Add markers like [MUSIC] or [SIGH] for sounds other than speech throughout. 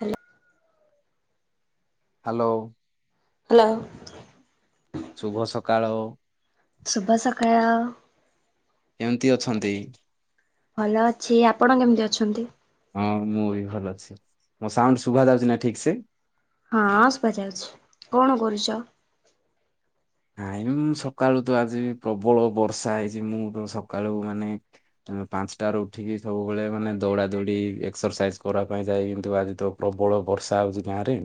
Hello. Hello. Hello. ଶୁଭ ସକାଳ। ଶୁଭ ସକାଳ । କେମିତି ଅଛନ୍ତି? ଭଲ ଅଛି, ଆପଣ କେମିତି ଅଛନ୍ତି? ହଁ ମୁଁ ବି ଭଲ ଅଛି ମୋ ସାଉଣ୍ଡ ଶୁଭାଯାଉଛି ନା ଠିକ ସେ? ହଁ ଶୁଭାଯାଉଛି। କଣ କରୁଛ? ନାଇଁ ମୁଁ ସକାଳୁ ତ ଆଜି ବି ପ୍ରବଳ ବର୍ଷା ହେଇଚି ମୁଁ ତ ସକାଳୁ ମାନେ ପାଞ୍ଚଟାରେ ଉଠିକି ସବୁବେଳେ ମାନେ ଦୌଡ଼ା ଦୌଡ଼ି ଏକ୍ସରସାଇଜ୍ କରିବା ପାଇଁ ଯାଏ କିନ୍ତୁ ଆଜି ତ ପ୍ରବଳ ପ୍ରବଳ ବର୍ଷା ହଉଛି ଗାଁରେ।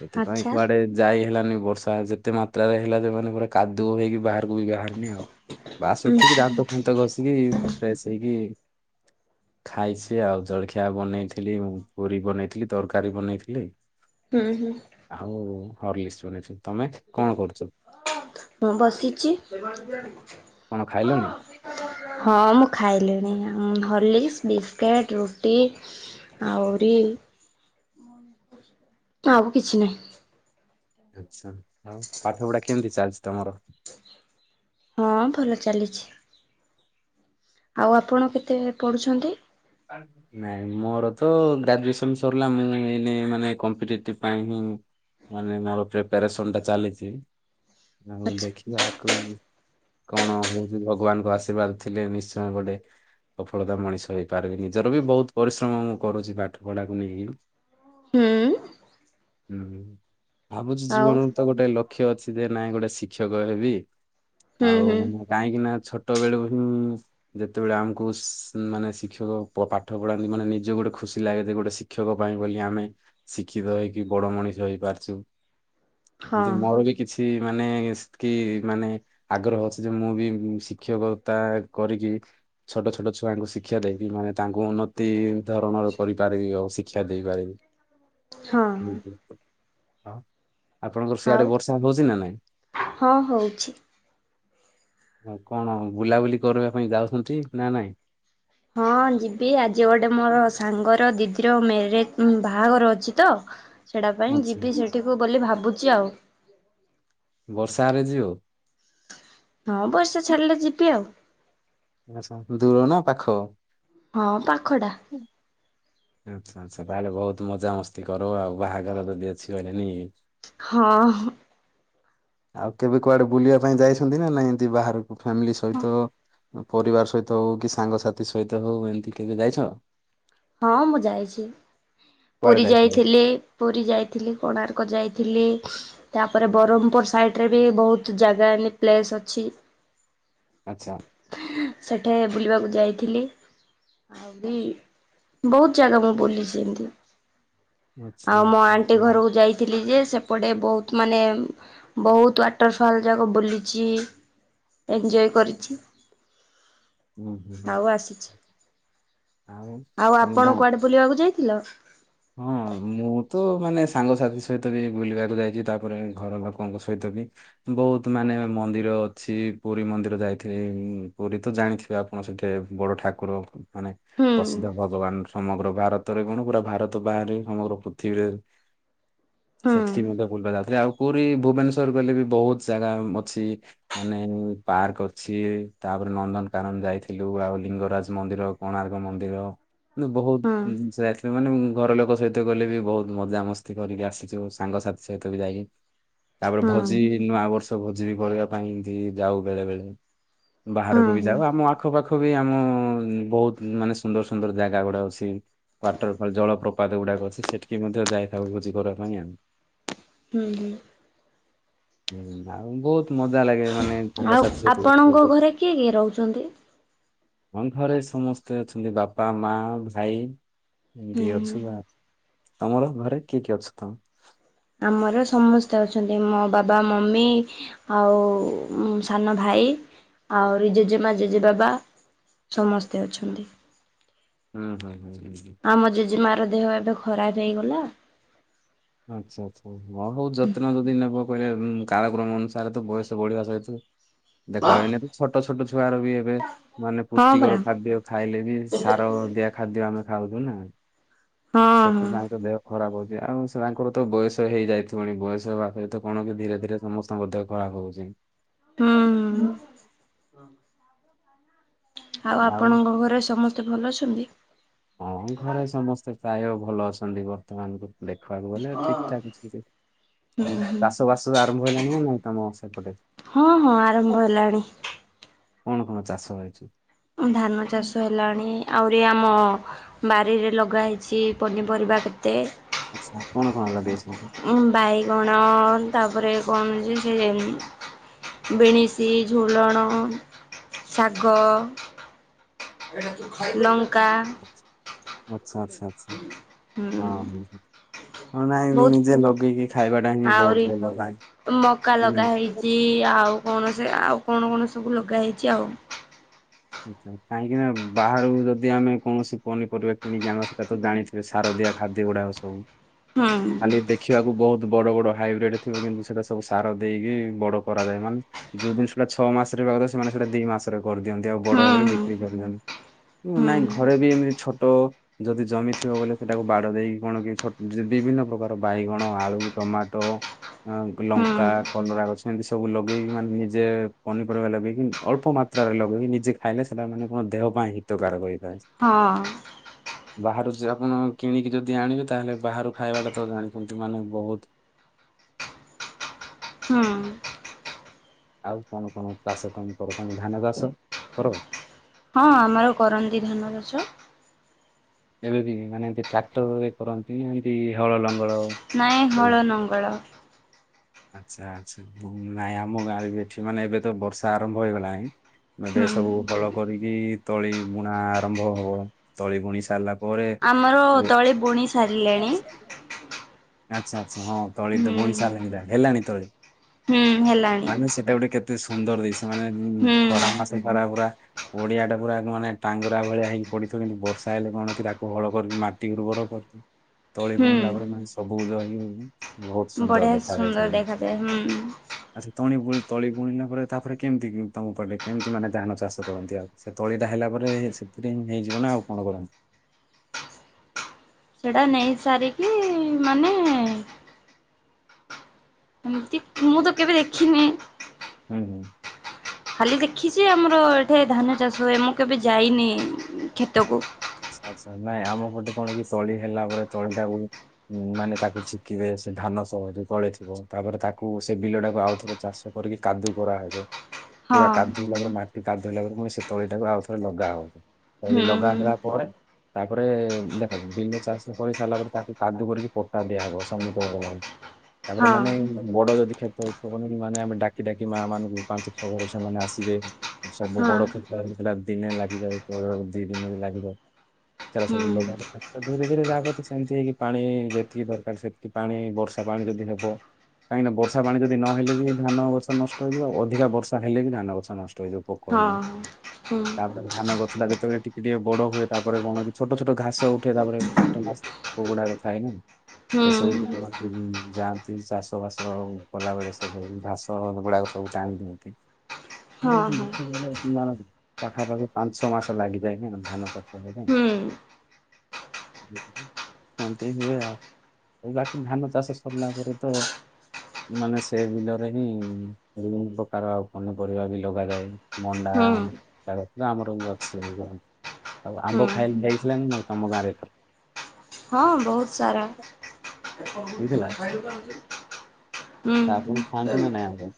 ସେଥିପାଇଁ ଆଚ୍ଛା କୁଆଡେ ଯାଇ ହେଲାନି ବର୍ଷା ଯେତେ ମାତ୍ରାରେ ହେଲା ଯେ ମାନେ ପୁରା କାଦୁଅ ହେଇକି ବାହା ମୁଁ ବି ବାହାରୁନି ଆଉ ବାସ ଉଁ ଉଠିକି ଦାନ୍ତ ଫାନ୍ତ ଘସିକି ଫ୍ରେଶ ହେଇକି ଖାଇଛି ଆଉ ଜଳଖି [UNINTELLIGIBLE] ବନେଇଥିଲି ମୁଁ ପୁରୀ ବନେଇଥିଲି ତରକାରୀ ବନେଇଥିଲି ହୁଁ ହୁଁ ଆଉ ହର୍ଲିକ୍ସ ବନେଇଛି ତମେ କଣ କରୁଛ ମୁଁ ବସିଚି। କଣ ଖାଇଲଣି? ହଁ ମୁଁ ଖାଇଲିଣି ଉଁ ହର୍ଲିକ୍ସ୍ ବିସ୍କେଟ, ରୁଟି, ଆଉରି ଆଉ କିଛି ନାହିଁ। ଆଛା ଆଉ ପାଠପଢା କେମିତି ଚାଲିଛି ତମର? ହଁ ଭଲ ଚାଲିଛି। ଆଉ ଆପଣ କେତେବେଳେ ପଢୁଛନ୍ତି? ନାଇଁ ମୋର ତ ଗ୍ରାଜୁଏସନ ସରିଲା ମୁଁ ଏଇନେ ମାନେ କମ୍ପିଟେଟିଭ ପାଇଁ ହିଁ ମାନେ ମୋର ପ୍ରିପାରେସନ ଟା ଚାଲିଚି ଆଉ ଆଚ୍ଛା ଦେଖିବା ଆଗକୁ କଣ ହଉଛି ଭଗବାନଙ୍କ ଆଶୀର୍ବାଦ ଥିଲେ ନିଶ୍ଚୟ ଗୋଟେ ସଫଳତା ମଣିଷ ହେ ପାରିବିନି ନିଜର ବି ବହୁତ ପରିଶ୍ରମ ମୁଁ କରୁଛି ପାଠ ପଢାକୁ ନେଇକି ହୁଁ ହୁଁ । ଭାବୁଛି ଆଉ ଜୀବନର ତ ଗୋଟେ ଲକ୍ଷ୍ୟ ଅଛି ଯେ ନାଇଁ ଗୋଟେ ଶିକ୍ଷକ ହେବି ହୁଁ ଆଉ ହୁଁ ମୁଁ କାହିଁକି ନା ଛୋଟ ବେଳୁ ହିଁ ଯେତେବେଳେ ଆମକୁ ଶି ମାନେ ଶିକ୍ଷ ଶିକ୍ଷକ ପ ପାଠ ପଢାନ୍ତି ମାନେ ନିଜେ ଗୋଟେ ଖୁସି ଲାଗେ ଯେ ଗୋଟେ ଶିକ୍ଷକ ପାଇଁ ବୋଲି ଆମେ ଶିକ୍ଷିତ ହେଇକି ବ ବଡ଼ ମଣିଷ ହେଇପାରୁଚୁ। ହଁ ଏମତି ମୋର ବି କିଛି ମାନେ କି ମାନେ ଆଗ୍ରହ ଅଛି ଯେ ମୁଁ ବି ଶିକ୍ଷକତା କରିକି ଛୋଟ ଛୋଟ ଛୁଆଙ୍କୁ ଶିକ୍ଷା ଦେଇ ମାନେ ତାଙ୍କୁ ଉନ୍ନତି ଧରଣର କରିପାରିବି ଆଉ ଶିକ୍ଷା ଦେଇପାରିବି। ହଁ ହୁଁ ହଁ ହୁଁ ହୁଁ ହଁ। ଆପଣଙ୍କର ସେଆଡେ ଆଉ ବର୍ଷା ହଉଚି ନା ନାଇଁ? ହଁ ହଉଛି। ହଁ କଣ ବୁଲାବୁଲି କରିବା ପାଇଁ ଯାଉଛନ୍ତି ନା ନାଇଁ? ହଁ ଯିବି ଆଜି ଗୋଟେ ମୋର ସାଙ୍ଗର ଦିଦିର ମ୍ୟାରେଜ ଉଁ ବାହାଘର ଅଛି ତ ସେଟା ପାଇଁ ଆଛା ଯିବି ସେଠିକୁ ବୋଲି ଭାବୁଚି ଆଉ। କାରରେ ଯିବ? ହଁ ବର୍ଷା ଛାଡିଲେ ଯିବି ଆଉ। ଆଛା ଦୂର ନା ପାଖ? ହଁ ପାଖଟା। ଆଚ୍ଛା ଆଛା ତାହେଲେ ବହୁତ ମଜାମସ୍ତି କରିବ ଆଉ ବାହାଘର ଯଦି ଅଛି କହିଲେନି। ହଁ। ଆଉ କେବେ କୁଆଡେ ବୁଲିବା ପାଇଁ ଯାଇଛନ୍ତି ନା ନାଇଁ ଏମତି ବାହାରକୁ ଫ୍ୟାମିଲି ସହିତ ପରିବାର ସହିତ ହଉ କି ସାଙ୍ଗସାଥି ସହିତ ହଉ ଏମିତି କେବେ ଯାଇଛ? ହଁ ମୁଁ ଯାଇଛି। କୁଆଡେ ପୁରୀ ଯାଇଥିଲ? ଯାଇଥିଲି ପୁରୀ ଯାଇଥିଲି କୋଣାର୍କ ଯାଇଥିଲି। ତାପରେ ବ୍ରରହପୁର ସାଇଡ ରେ ବି ବହୁତ ଜାଗା ଏମି ପ୍ଲେସ ଅଛି। ଆଚ୍ଛା ସେଠି ବୁଲିବାକୁ ଯାଇ ଥିଲି [UNINTELLIGIBLE] ବହୁତ ଜାଗା ମୁଁ ବୁଲିଛି ଏମିତି। ଆଚ୍ଛା ଆଉ ମୋ ଆଣ୍ଟି ଆଚ୍ଛା ଘରକୁ ଯାଇଥିଲି ଯେ ସେ ପଡେ ବହୁ ମାନେ ବହୁତ ୱାଟର ଫଲ ଯାକ ବୁଲିଛି। ଏନଜୟ କରିଛି ହୁଁ ହୁଁ ହୁଁ। ଆଉ ଆସିଛି। ଆଉ ତମ ଆପଣ ଗାଁ କୁଆଡେ ବୁଲିବାକୁ ଯାଇଥିଲ? ହଁ ମୁଁ ତ ମାନେ ସାଙ୍ଗସାଥି ସହିତ ବି ବୁଲିବାକୁ ଯାଇଛି ତାପରେ ଘର ଲୋକଙ୍କ ସହିତ ବି ବହୁତ ମାନେ ମାନେ ମନ୍ଦିର ଅଛି ପୁରୀ ମନ୍ଦିର ଯାଇଥିଲି ପୁରୀ ତ ଜାଣିଥିବେ ଆପଣ ସେଠି ବଡ ଠାକୁର। ମାନେ ହୁଁ ପ୍ରସିଦ୍ଧ ଭଗବାନ ସମଗ୍ର ଭାରତରେ କଣ ପୁରା ଭାର ବାହାରେ ସମଗ୍ର ପୃଥିବୀରେ ହୁଁ ସେଠି ମଧ୍ୟ ବୁଲିବା ଯାଉଥିଲା ଆଉ ପୁରୀ ଭୁବନେଶ୍ଵର ଗଲେ ବି ବହୁତ ଜାଗା ମ ଅଛି ମାନେ ପାର୍କ ଅଛି ତା ନନ୍ଦନକାନନ ଯାଇଥିଲୁ ଆଉ ଲିଙ୍ଗରାଜ ମନ୍ଦିର କୋଣାର୍କ ମନ୍ଦିର। ବହୁତ ହୁଁ ଜିନିଷ ଯାଇଥିଲେ ମାନେ ଉଁ ଘର ଲୋକ ସହିତ ଗଲେ ବି ବହୁତ ମଜାମସ୍ତି କରିକି ଆସିଛୁ ସାଙ୍ଗସାଥି ସହିତ ବି ଯାଇକି ତାପରେ ହୁଁ ଭୋଜି ନୂଆ ବର୍ଷ ଭୋଜି ବି କରିବା ପାଇଁ ଏମତି ଯାଉ ବେଳେ ବେଳେ ହୁଁ ବାହାରକୁ ବି ହୁଁ। ଯାଉ ଆମ ଆଖ ପାଖ ବି ଆମ ଉଁ ବହୁତ ମାନେ ସୁନ୍ଦର ସୁନ୍ଦର ଜାଗା ଗୁଡା ଅଛି ୱାଟର ଫଲ ଜଳ ପ୍ରପାତ ଗୁଡାକ ଅଛି ସେଠିକି ମଧ୍ୟ ଯାଇଥାଉ ଭୋଜି କରିବା ପାଇଁ ଆଉ ହୁଁ ହୁଁ। ହୁଁ ବହୁତ ମଜା ଲାଗେ ମାନେ ତାଙ୍କ ଆଉ ସାଥି ଆପଣଙ୍କ ଘରେ [UNINTELLIGIBLE] କିଏ କିଏ ରହୁଛନ୍ତି? ଆମ ଘରେ ସମସ୍ତେ ଅଛନ୍ତି ବାପା ମା ଭାଇ। ଏମିତି ହୁଁ ଅଛୁ ହୁଁ। ତମର ଘରେ କିଏ କିଏ ଅଛ ତମ? ଆମର ସମସ୍ତେ ଅଛନ୍ତି ମୋ ବାବା ମମି ଆଉ ଉଁ ସାନ ଭାଇ ଭାଇ ଆହୁରି ଜେଜେମା ଜେଜେ ବାବା ସମସ୍ତେ ଅଛନ୍ତି। ହୁଁ ହୁଁ। ହୁଁ ହୁଁ ହୁଁ। ଆମ ଜେଜେମାର ଦେହ ଏବେ ଖରା ଯାଇଗଲା। ଆଚ୍ଛା ଆଚ୍ଛା ହଁ ହଉ ଯତ୍ନ ଯଦି ନେବ। କହିଲେ କାଳକ୍ରମ ଅନୁସାରେ ତ ବୟସ ବଢିବା ସହିତ ହ ଦେଖ ହେଲେବି ଛୋଟ ଛୋଟ ଛୁଆର ବି ଏବେ ମାନେ ହଁ ପରା ପୁଷ୍ଟିକର ଖାଦ୍ୟ ଖାଇଲେ ବି ସାର ଦିଆ। ଖାଦ୍ୟ ଆମେ ଖାଉଛୁ ନା ହଁ ହଁ ସେଥିପାଇଁ ତ ଦେହ ଖରାପ ହଉ ଆଉ ସେମାନଙ୍କର ତ ବୟସ ହେଇଯାଇଥିବଣି ବୟସ ପାଖରେ ତ କଣ କି ଧୀରେ ଧୀରେ ସମସ୍ତେ ମଧ୍ୟ ଖରାପ ହଉଛି। ହୁଁ ହୁଁ। ଉଁ। ଆଉ ଆପଣଙ୍କ ଘରେ ସମସ୍ତେ ଭଲ ଅଛନ୍ତି? ହଁ ଘରେ ସମସ୍ତେ ପ୍ରାୟ ଭଲ ଅଛନ୍ତି ବର୍ତ୍ତମାନ କୁ ଦେଖିବାକୁ ଗଲେ ଠିକଠାକ୍ ଅଛନ୍ତି। ହୁଁ ଆଉ ହୁଁ ଚାଷ ବାସ ଆରମ୍ଭ ହେଲାଣି ନା ନାଇଁ ତମ ସେପଟେ? ହଁ ହଁ ଆରମ୍ଭ ହେଲାଣି। କଣ କଣ ଚାଷ ରହିଛି? ଧାନ ଚାଷ ହେଲାଣି ଆହୁରି ଆମ ବାରିରେ ଲଗା ହେଇଛି ପନିପରିବା କେତେ। ଆଚ୍ଛା କଣ କଣ ଲଗେଇଛ? ବାଇଗଣ ତାପରେ କଣଜି ସେ ବିନ୍ସ ଝୁଡ଼ଣ ଶାଗ ଲ [INAUDIBLE] ଆଚ୍ଛା ଆଚ୍ଛା ଆଚ୍ଛା ହୁଁ ହଁ ହଁ ହଁ। ହଁ ନାଇଁ ବହୁତ ନିଜେ ଲଗେଇକି ଖାଇବା ଟା ହିଁ ଆହୁରି ବହୁତ ଭଲ ପା ମକା ଲଗା ହେଇଚି ଆଉ କଣସେ ଆଉ କଣ କଣ ସବୁ ଲଗା ହେଇଛି ଆଉ କାହିଁକି ନା ବାହାରୁ ଯଦି ଆମେ କୌଣସି ପନିପରିବା କିଣିକି ଆଣୁ ସେଇଟା ତ ଜାଣିଥିବେ ସାର ଖାଦ୍ୟ ଗୁଡାକ ସବୁ ହୁଁ। ଖାଲି ଦେଖିବାକୁ ବହୁତ ବଡ ବଡ ହାଇବ୍ରିଡ ଥିବ କିନ୍ତୁ ସେଇଟା ସବୁ ସାର ଦେଇକି ବଡ କରାଯାଏ ମାନେ ଯୋଉ ଜିନିଷ ଟା ଛଅ ମାସ ରେ ସେମାନେ ସେଇଟା ଦି ମାସରେ କରିଦିଅନ୍ତି ଆଉ ବଡ ହେଇଗଲେ ହୁଁ ବିକ୍ରି କରିଦିଅନ୍ତି। ହୁଁ ନାଇଁ ଘରେ ବି ଏମିତି ଛୋଟ ଯଦି ଜମି ଥିବ ବୋଲେ ସେଟାକୁ ବାଡ଼ ଦେଇକି କଣ କି ବିଭିନ୍ନ ପ୍ରକାର ବାଇଗଣ ଆଳୁ ଟମାଟୋ ହୁଁ ଲଙ୍କା କଲରା ଗଛ ଏମିତି ସବୁ ଲଗେଇକି ମାନେ ନିଜେ ପନିପରିବା ଲଗେଇକି ଅଳ୍ପ ମା ମାତ୍ରାରେ ଲଗେଇକି ନିଜେ ଖାଇଲେ ସେଟା ମାନେ କଣ ଦେହ ପାଇଁ ହିତକାରକ ହେଇଥାଏ। ହ ହ [INAUDIBLE] ବାହାରୁ ଯେ ଆପଣ କିଣିକି ଯଦି ଆଣିବେ ତାହେଲେ ବାହାରୁ ଖାଇବାଟା ତ ଜାଣିଛନ୍ତି ମାନେ ବହୁତ ହୁଁ। ଆଉ କଣ କଣ ଚାଷ ପାଇଁ କରୁଛନ୍ତି ଧାନ ଚାଷ କର? ହଁ ଆମର କରନ୍ତି ଧାନ ଚାଷ। ଏବେ ବି ମାନେ ଯେ ଟ୍ରାକ୍ଟରରେ କରନ୍ତି ଏମତି ହଳ ଲ ହଳ ନାଇଁ ହଳ ଦେଇ ନଙ୍ଗଳ ଆଚ୍ଛା ଆଚ୍ଛା ନାଇଁ ଆମ ଗାଁରେ ବି ଏଠି ମାନେ ଏବେ ତ ବର୍ଷା ଆରମ୍ଭ ହେଇଗଲାଣି ଏବେ ହୁଁ ସବୁ ହଳ କରିକି ତଳି ବୁଣା ଆରମ୍ଭ ହବ ତଳି ବୁଣି ସାରିଲା ପରେ ଆମର ତଳି ବୁଣି ସାରିଲେଣି। ଆଚ୍ଛା ଆଚ୍ଛା ହଁ ତଳି ତ ହୁଁ ବୁଣି ସାରିଲେଣି ହେଲାଣି ତଳି ହୁଁ ହେଲାଣି ମାନେ ସେଟା ଗୋଟେ କେ ଏତେ ସୁନ୍ଦର ଦିଶେ ମାନେ ହୁଁ ଖରା ମାସ ଖରା ପୁରା ପଡିଆ ଟା ପୁରା ମାନେ ଟାଙ୍ଗରା ଭଳିଆ ହେଇ ପଡିଥିବ କିନ୍ତୁ ବର୍ଷା ହେଲେ କଣ କି ତାକୁ ହଳ କରିକି ମାଟି ଉର୍ବର ତଳି ହୁଁ ବୁଣିଲା ପରେ ମାନେ ସବୁଜ ହେଇ ବହୁତ ସୁନ୍ଦର ଦେଖାଯାଏ। ସେ ଭଲ ଦେଖା ଜିନିଷ। ଯାଏ ହୁଁ। ଆଚ୍ଛା ତଳି ବୁଣି ତଳି ବୁଣିଲା ପରେ ତାପରେ କେମିତି ତମ ପଟେ କେମିତି ମାନେ ଧାନ ଚାଷ କରନ୍ତି ଆଉ ସେ ତଳି ଟା ହେଲା ପରେ ସେଥିରେ ହିଁ ହେଇଯିବ ନା ଆଉ କଣ କରନ୍ତି। ଆ [INAUDIBLE] ସେଟା ନେଇ ସାରିକି ମାନେ ଏମିତି ମୁଁ ତ କେବେ ଦେଖିନି ହୁଁ। ଖାଲି ଦେଖିଛି ଆମର ଏଠି ଧାନ ଚାଷ ହୁଏ ମୁଁ କେବେ ଯାଇନି କ୍ଷେତକୁ। ଆଚ୍ଛା ଆଚ୍ଛା ନାଇଁ ଆମ ପଟେ କଣ କି ତଳି ହେଲା ବଳେ ତଳି ଟାକୁ ହୁଁ ମାନେ ତାକୁ ଛେକିବେ ସେ ଧାନ ସ ବୁ ଗଳିଥିବ ତାପରେ ତାକୁ ସେ ବିଲ ଟାକୁ ଆଉଥରେ ଚାଷ କରିକି କାଦୁ କରାହବ। ପୁରା ହଁ କାଦୁ ହେଲା ପରେ ମାଟି କାଦୁ ହେଲା ପରେ ପୁଣି ସେ ତଳି ଟାକୁ ଆଉଥରେ ଲଗା ହବ ତଳି ହୁଁ ଲଗା ହୁଁ ହେଲା ପରେ ତାପରେ ଦେଖ ବିଲ ଚାଷ କରିସାରିଲା ପରେ ତାକୁ କାଦୁ କରିକି ପଟା ଦିଆହବ ସମତଳ ହବାକୁ ତାପରେ ହଁ ମାନେ ବଡ ଯଦି କ୍ଷେତ ହେଇଥିବ ମାନେ ଡାକି ଡାକି ମା ମାନଙ୍କୁ ପାଞ୍ଚ ଛଅ ଘର ସେମାନେ ଆସିବେ ସବୁ ହଁ ବଡ କ୍ଷେତ ସେଟା ଦିନେ ଲାଗିଯାଉ ଦି ଦିନ ବି ଲାଗିଯାଉ ଁ [UNINTELLIGIBLE] ସେଇଟା ସବୁ ଲଗାହେଲେ ଧୀରେ ଧୀରେ ଯାହାକୁ ସେମିତି ହେଇକି ପାଣି ଯେତିକି ଦରକାର ସେତିକି ପାଣି ବର୍ଷା ପାଣି ଧୀରେ ଧୀରେ ହବ। କାହିଁକି ନା ବର୍ଷା ପାଣି ଯଦି ନହେଲେ ବି ଧାନ ଗଛ ନଷ୍ଟ ହେଇଯିବ ଅଧିକା ବର୍ଷା ହେଲେ ବି ଧାନ ଗଛ ନଷ୍ଟ ହେଇଯିବ ପୋକ ହେଇକି। ହଁ। ହୁଁ ତାପରେ ଧାନ ଗଛ ଟ ଯେତେବେଳେ ଟିକେ ଟିକେ ବଡ ହୁଏ। ତାପରେ କଣ କି ଛୋଟ ଛୋଟ ଘାସ ଉଠେ ତାପରେ କୀଟନାସକ ପୋକ ଗୁଡାକ ଥାଏ ନା। ହୁଁ ସେସବୁ ଯାଆନ୍ତି ଚାଷ ବାସ କଲା ବଳେ ସେ ଘାସ ଗୁଡାକ ସବୁ ସବୁ ଟାଣି ଦିଅନ୍ତି। ହଁ ହଁ ପାଖା ପାଖି ପାଞ୍ଚ ଛଅ ମାସ ଲାଗିଯାଏ ନା ଧାନ ଚାଷ ହୁଁ। ଏମିତି ହୁଏ ଆଉ ଆଉ ବାକି ଧାନ ଚାଷ ସରିଲା ପରେ ତ ମାନେ ସେ ବିଲରେ ହିଁ ବିଭିନ୍ନ ପ୍ରକାର ଆଉ ପନିପରିବା ବି ଲଗାଯାଏ ମଣ୍ଡା ହୁଁ ଆମ ଏମିତିଆ ଗଛ ଟେ ଆମର ଵି ଅଛି। ଆଉ ହୁଁ ଆମ୍ବ ଖାଇଲେ ଯାଇଥିଲାନା ନାଇଁ ତମ ଗାଁରେ ଏଥର ହଁ ବହୁତ ସାରା ହୁଁ ହେଇଥିଲା ତା ଆପଣ ଏ ଖାଆନ୍ତି ନା ନାଇଁ ଆମ୍ବ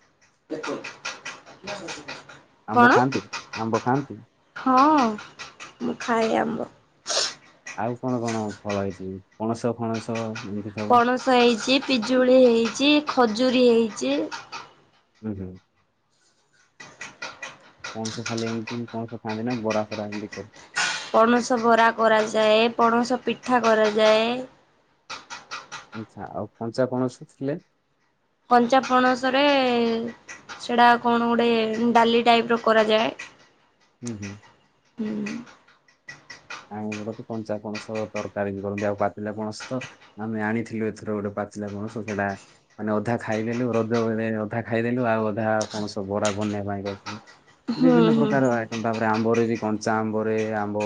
ଆମ୍ବ କଣ ଖାଆନ୍ତିୁ ଆମ୍ବ ଖାଆନ୍ତି। ହଁ ମୁଁ ଖାଏ ଆମ୍ବ। ଆଉ କଣ କଣ ଫଳ ହେଇଛି ପଣସ ଫଣସ। ଏମିତି ସବୁ ପଣସ ହେଇଛି ପିଜୁଳି ହେଇଛି ଖଜୁରୀ ହେଇଛି। ହୁଁ ହୁଁ। ପଣସ ଖାଲି ଏମିତି ପଣସ ଖାଆନ୍ତି ନା ବରା ଫରା ଏମିତି ପଣସ ବରା କରାଯାଏ ପଣସ ପିଠା କରାଯାଏ। ଆଛା ଆଉ କଞ୍ଚା କଣସୁଥିଲେ। କଞ୍ଚା ପଣସ ରେ ସେଟା କଣ ଗୋଟେ ଡାଲି ଟାଇପ ର କରାଯାଏ। ହୁଁ ହୁଁ। ହୁଁ। ଆଣି କଞ୍ଚା ପଣସ ତରକାରୀ କରନ୍ତି ଆଉ ପାତିଲା ପଣସ ତ ଆମେ ଆଣିଥିଲୁ ଏଥର ଗୋଟେ ପାଚିଲା ପଣସ ସେଟା ମାନେ ଅଧା ଖାଇଦେଲୁ ରଜ ଅଧା ଖାଇଦେଲୁ ଆଉ ଅଧାକୌଣ ବରା ବନେଇ ପାଇଁ କହିଥିଲୁ। ହୁଁ ହୁଁ ବିଭିନ୍ନ ହୁଁ ପ୍ରକାର ଆଇଟମ ତାପରେ ଆମ୍ବରେ ବି କଞ୍ଚା ଆମ୍ବରେ ଆମ୍ବ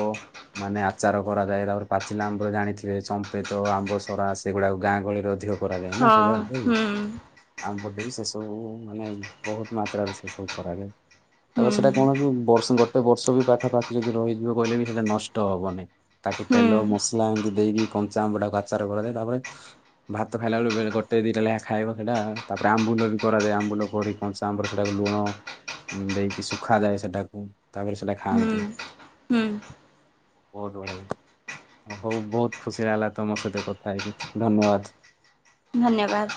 ମାନେ ଆଚାର କରାଯାଏ ତାପରେ ପାଚିଲା ଆମ୍ବର ଜାଣିଥେ ଚପେତ ଆମ୍ବସରା ସେଗୁଡାକ ଗାଁ ଗହଳିରେ ଅଧିକ। କରା ଯାଏ ନା। ହଁ [UNINTELLIGIBLE] ହୁଁ ଆମ ବୋଟେ ବି ସେ ସବୁ ମାନେ ବହୁତ ମାତ୍ରାରେ ସେ ସବୁ କରାଯାଏ। ତାପରେ ହୁଁ ସେଟା କଣ କି ବର୍ଷ ଗୋଟେ ବର୍ଷ ବି ପାଖା ପାଖି ଯଦି ରହିଯିବ କହିଲେ ବି ସେଇଟା ନଷ୍ଟ। ହବନି ତାକୁ ହୁଁ ତେଲ ମସଲା ଏମିତି ଦେଇକି କଞ୍ଚାମ ଆମ୍ବକୁ ଆଚାର କରାଯାଏ ତାପରେ ଭାତ ଖାଇଲା ବେ ବଳେ ଗୋଟେ ଦିଟା ଖାଇବ ସେଇଟା ତାପରେ ଆବୁ ବି କରାଏ ଆମ୍ବୁ କ କ ଆମ୍ବର ସେଟା ଲୁଣ ଦେଇକି ଶୁଖାଯାଏ ସେଟାକୁ ତାପରେ ସେଟା ହୁଁ ଖାଆନ୍ତି। ହୁଁ। ବହୁତ ବଢିଆ ଲାଗେ। ହଉ ବହୁତ ଖୁସି ଲାଗିଲା ତମ ସହିତ କଥା ହେଇକି ଧନ୍ୟବାଦ। ଧନ୍ୟବାଦ।